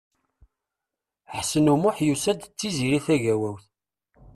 Ḥsen U Muḥ yusa-d d Tiziri Tagawawt.